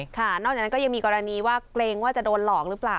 นอกจากนั้นก็ยังมีกรณีว่าเกรงว่าจะโดนหลอกหรือเปล่า